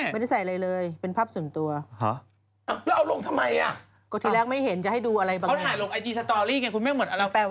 ไม่ใส่ใส่อะไรเลยเขาแต่ว่ามีแค่เป็นภาพส่วนตัว